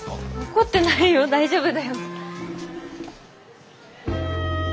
怒ってないよ大丈夫だよ。